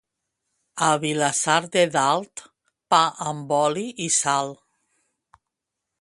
A Vilassar de Dalt, pa amb oli i sal.